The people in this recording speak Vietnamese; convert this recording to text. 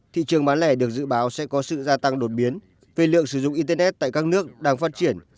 thị trường bán lẻ được dự báo sẽ có sự gia tăng đột biến về lượng sử dụng internet tại các nước đang phát triển